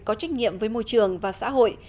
có trách nhiệm với môi trường và xã hội